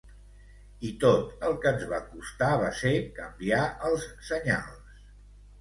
I tot el que ens va costar va ser canviar els senyals.